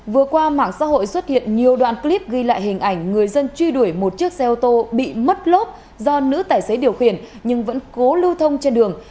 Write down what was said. vừa qua mạng xã hội xuất hiện nhiều đoạn clip ghi lại hình ảnh người dân truy đuổi một chiếc xe ô tô bị mất lốp do nữ tài xế điều khiển nhưng vẫn cố lưu thông trên đường